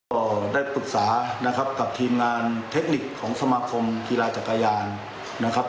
ก็ได้ปรึกษานะครับกับทีมงานเทคนิคของสมาคมกีฬาจักรยานนะครับ